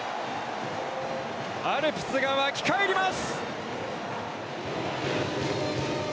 アルプスが沸き返ります！